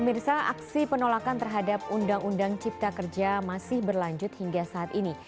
mirsa aksi penolakan terhadap undang undang cipta kerja masih berlanjut hingga saat ini